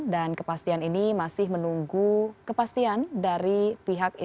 dan kepastian ini masih menunggu kepastian dari pihak ratu